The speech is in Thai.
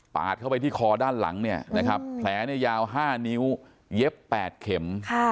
ปาดเข้าไปที่คอด้านหลังเนี่ยแพลยาว๕นิ้วเย็บ๘เข็ม